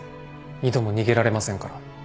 二度も逃げられませんから。